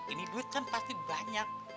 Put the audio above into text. ini duit kan pasti banyak